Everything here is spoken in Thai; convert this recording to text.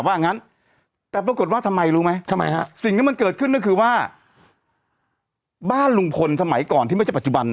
ทำไมรู้ไหมทำไมฮะสิ่งที่มันเกิดขึ้นก็คือว่าบ้านลุงพลสมัยก่อนที่ไม่ใช่ปัจจุบันน่ะ